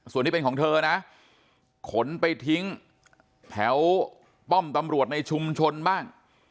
ส่วนนี้เป็นของเธอนะขนไปทิ้งแถวป้อมตำรวจในชุมชนบ้าง